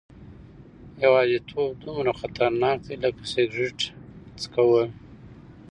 یوازیتوب دومره خطرناک دی لکه سګرټ څکول.